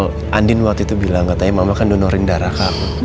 oh andin waktu itu bilang nggak tapi mama kan donorin darah kak